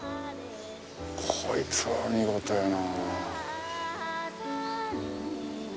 こいつは見事やな。